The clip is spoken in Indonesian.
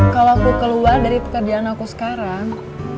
kalau aku keluar dari pekerjaan aku sekarang